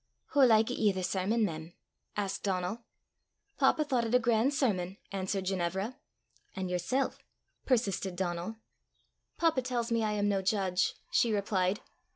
"Hoo likit ye the sermon, mem?" asked Donal. "Papa thought it a grand sermon," answered Ginevra. "An' yersel'?" persisted Donal. "Papa tells me I am no judge," she replied.